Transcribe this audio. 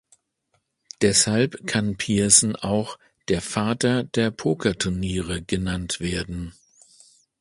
Deshalb kann Pearson auch der Vater der Pokerturniere genannt werden.